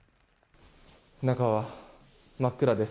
中は真っ暗です。